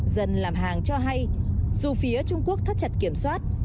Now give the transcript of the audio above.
dân làm hàng cho hay dù phía trung quốc thắt chặt kiểm soát